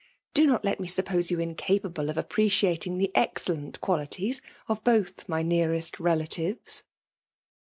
Do not let me suppose yen incapable of iq)prec]ating the excellent qualities of both my nearest relttkives."